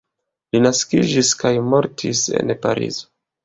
Li naskiĝis kaj mortis en Parizo.